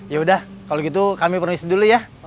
yaudah kalau gitu kami permisi dulu ya